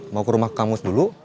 mau ke rumah kamus dulu